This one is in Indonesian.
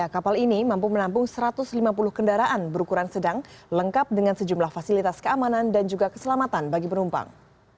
kapal ini mampu menampung satu ratus lima puluh kendaraan berukuran sedang lengkap dengan sejumlah fasilitas keamanan dan juga keselamatan bagi penumpang